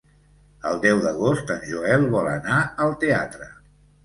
El deu d'agost en Joel vol anar al teatre.